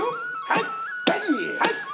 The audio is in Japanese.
はい！